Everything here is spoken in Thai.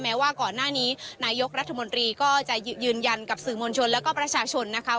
ว่าก่อนหน้านี้นายกรัฐมนตรีก็จะยืนยันกับสื่อมวลชนแล้วก็ประชาชนนะคะ